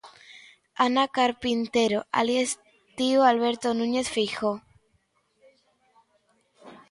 Ana Carpintero, alí estivo Alberto Núñez Feijóo.